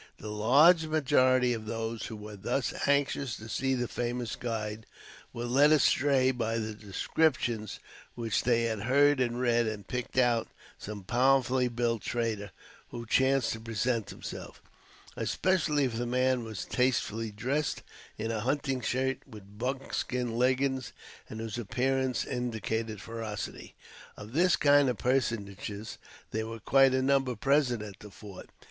The large majority of those who were thus anxious to see the famous guide, were led astray by the descriptions which they had heard and read, and picked out some powerfully built trader who chanced to present himself, especially if the man was tastefully dressed in a hunting shirt, with buck skin leggins, and whose appearance indicated ferocity. Of this kind of personages there were quite a number present at the fort.